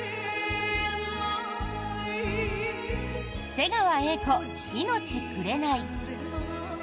瀬川瑛子、「命くれない」。